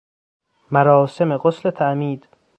مراسم غسل تعمید